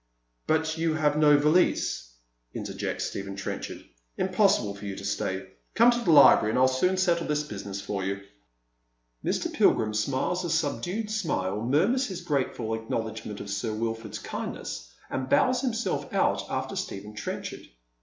" But you have no valise," intei jects Stephen Trenchard, " im possible for you to stay. Come to the library, and I'll soon settle tliis business for you." IVIr. Pilgrim smiles a subdued smile, murmurs his grateful acknowledgment of Sir Wilford's kindness, and bows himself out after Stephen Trenchard.